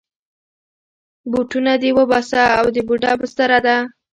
بوټونه دې وباسه، دا د بوډا بستره ده.